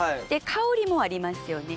香りもありますよね。